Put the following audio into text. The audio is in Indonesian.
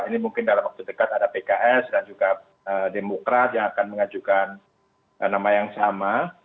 ini mungkin dalam waktu dekat ada pks dan juga demokrat yang akan mengajukan nama yang sama